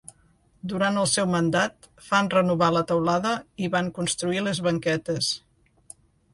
Durant el seu mandat fan renovar la teulada i van construir les banquetes.